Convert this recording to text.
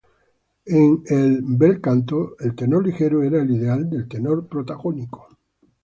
En el" bel canto", el tenor ligero era el ideal del tenor protagónico.